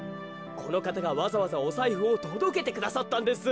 このかたがわざわざおさいふをとどけてくださったんです。